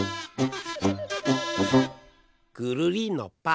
くるりんのぱ！